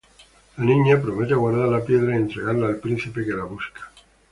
La niña promete guardar la piedra y entregarla al príncipe que la busca.